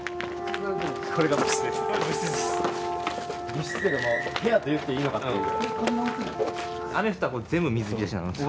部室というか部屋と言っていいのかっていう。